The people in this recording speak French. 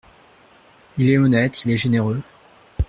Il est honnête, il est généreux.